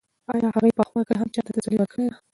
ایا هغې پخوا کله هم چا ته تسلي ورکړې ده؟